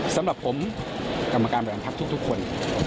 สำหรับผมกรรมการบริหารพักทุกคน